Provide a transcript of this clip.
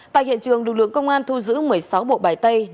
tại hiện trường lực lượng công an thu giữ một mươi sáu bộ bài tay